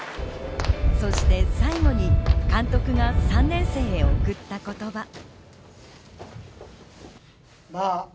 そして最後に監督が３年生へ送った言葉。